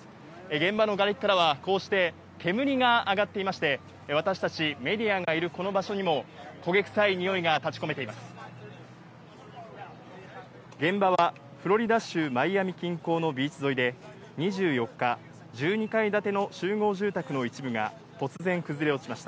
現場のがれきからは、こうして煙が上がっていまして、私たちメディアがいるこの場所にも、焦げ臭いにおいが立ちこめています。